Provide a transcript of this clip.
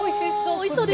おいしそう。